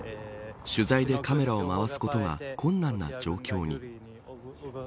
取材でカメラを回すことが困難な状況に。